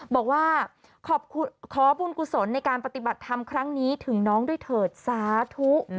บอกว่าขอบุญกุศลในการปฏิบัติธรรมครั้งนี้ถึงน้องด้วยเถิดสาธุ